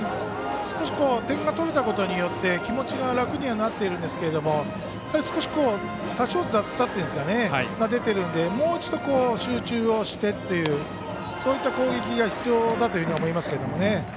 点が取れたことによって気持ちが楽にはなっているんですがやはり多少雑さが出ているのでもう一度、集中をしてというそういった攻撃が必要だと思いますけどね。